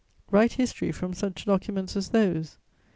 Write history from such documents as those!